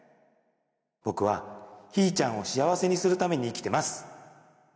「僕はヒーちゃんを幸せにするために生きてます」